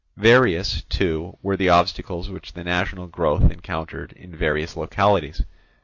Various, too, were the obstacles which the national growth encountered in various localities.